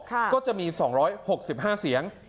ก็จะมี๒๖๕เสียง